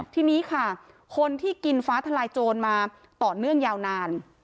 ทีนี้ค่ะคนที่กินฟ้าทลายโจรมาต่อเนื่องยาวนาน